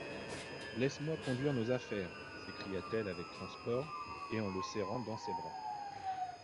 Laisse-moi conduire nos affaires, s'écria-t-elle avec transport, et en le serrant dans ses bras.